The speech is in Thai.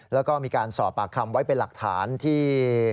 แล้วก็มีการสอบปากคำไว้เป็นหลักฐานที่